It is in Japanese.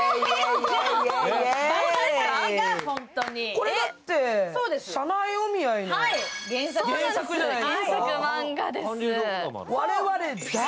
これは「社内お見合い」の原作じゃないですか。